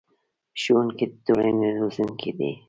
ښوونکي د ټولنې روزونکي دي